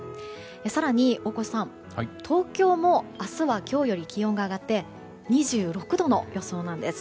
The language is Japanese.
更に東京も明日は今日より気温が上がって２６度の予想なんです。